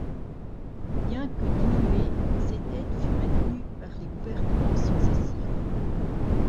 Bien que diminuée, cette aide fut maintenue par les gouvernements successifs.